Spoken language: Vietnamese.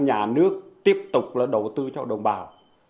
nhà nước tiếp tục là đầu tư cho đồng bào